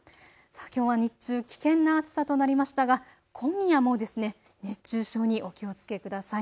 きょうは日中、危険な暑さとなりましたが今夜も熱中症にお気をつけください。